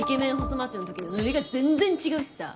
マッチョの時でノリが全然違うしさ。